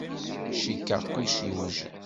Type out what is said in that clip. Cikkeɣ kullec yewjed.